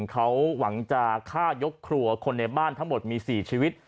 เขาหวังจะฆ่ายกครัวคนในบ้านทั้งหมดมี๔ชีวิต